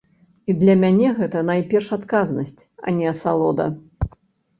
І для мяне гэта найперш адказнасць, а не асалода.